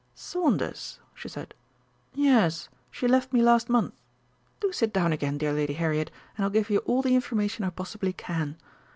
"Saunders?" she said, "yes, she left me last month. Do sit down again, dear Lady Harriet, and I'll give you all the information I possibly can.